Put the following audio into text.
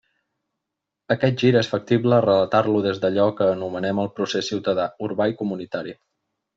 Aquest gir és factible relatar-lo des d'allò que anomenem el procés ciutadà, urbà i comunitari.